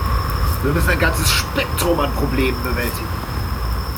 Wir müssen ein ganzes Spektrum an Problemen bewältigen.